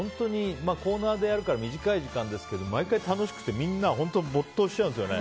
コーナーでやるから短い時間ですけど、毎回楽しくてみんな本当に没頭しちゃうんですよね。